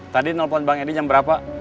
tadi nelpon bang edi jam berapa